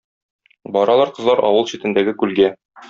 Баралар кызлар авыл читендәге күлгә.